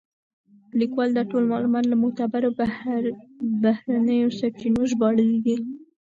لیکوال دا ټول معلومات له معتبرو بهرنیو سرچینو ژباړلي دي.